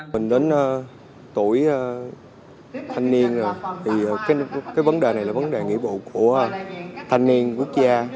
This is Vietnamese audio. mình đến tuổi thanh niên rồi thì cái vấn đề này là vấn đề nghĩa vụ của thanh niên quốc gia